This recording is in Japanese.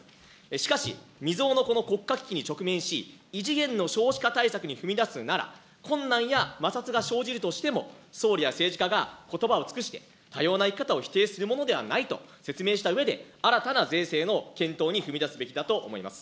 しかし、未曽有のこの国家危機に直面し、異次元の少子化対策に踏み出すなら、困難やまさつが生じるとしても、総理や政治家がことばを尽くして、多様な生き方を否定するものではないと説明したうえで、新たな税制への検討に踏み出すべきだと思います。